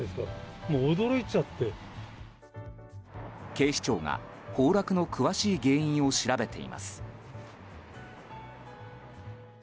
警視庁が崩落の詳しい原因を調べています。